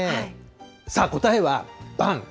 さあ、答えはばん。